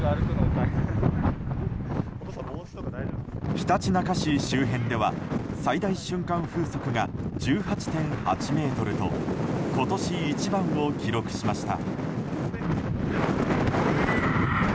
ひたちなか市周辺では最大瞬間風速が１８．８メートルと今年一番を記録しました。